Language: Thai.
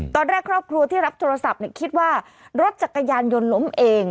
ตอนแรกครอบครัวที่รับโทรศัพท์คิดว่ารถจักรยานยนต์ล้มเอง